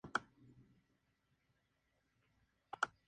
En la parte hardware, se realizan cambios radicales.